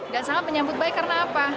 dan sangat menyambut baik karena apa